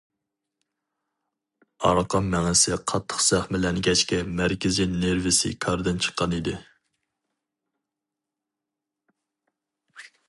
ئارقا مېڭىسى قاتتىق زەخىملەنگەچكە مەركىزىي نېرۋىسى كاردىن چىققان ئىدى.